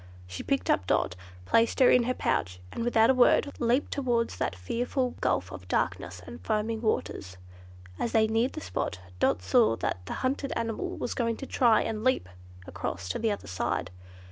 She picked up Dot, placed her in her pouch, and without a word leaped forward towards that fearful gulf of darkness and foaming waters. As they neared the spot, Dot saw that the hunted animal was going to try and leap across to the other side.